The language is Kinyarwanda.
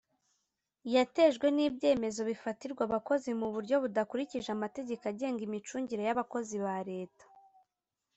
Yatejwe n ibyemezo bifatirwa abakozi mu buryo budakurikije amategeko agenga imicungire y abakozi ba leta